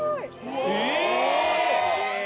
え！